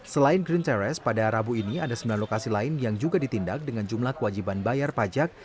selain green terrace pada rabu ini ada sembilan lokasi lain yang juga ditindak dengan jumlah kewajiban bayar pajak